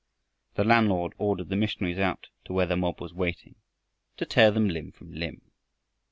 The landlord ordered the missionaries out to where the mob was waiting to tear them limb from limb.